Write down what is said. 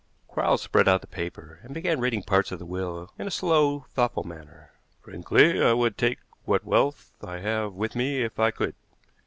Quarles spread out the paper, and began reading parts of the will in a slow, thoughtful manner. "'Frankly I would take what wealth I have with me if I could.'"